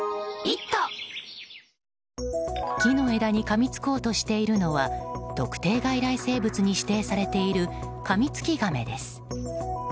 木の枝にかみつこうとしているのは特定外来生物に指定されているカミツキガメです。